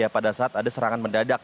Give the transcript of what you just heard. pada saat ada serangan mendadak